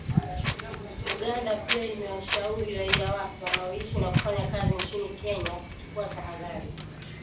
Uganda pia imewashauri raia wake wanaoishi na kufanya kazi nchini Kenya kuchukua tahadhari